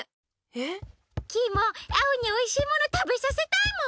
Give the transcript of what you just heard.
えっ？キイもアオにおいしいものたべさせたいもん。